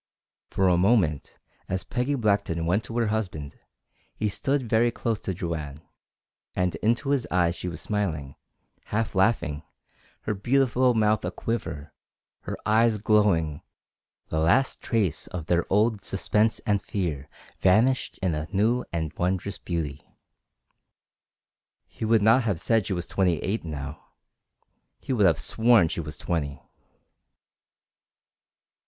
For a moment, as Peggy Blackton went to her husband, he stood very close to Joanne, and into his eyes she was smiling, half laughing, her beautiful mouth aquiver, her eyes glowing, the last trace of their old suspense and fear vanished in a new and wondrous beauty. He would not have said she was twenty eight now. He would have sworn she was twenty.